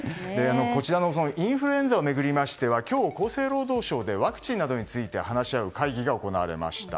インフルエンザを巡りましては今日、厚生労働省でワクチンなどについて話し合う会議が行われました。